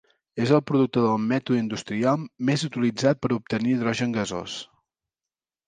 És el producte del mètode industrial més utilitzat per obtenir hidrogen gasós.